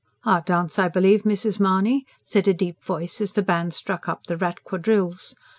"Our dance, I believe, Mrs. Mahony?" said a deep voice as the band struck up "The Rat Quadrilles."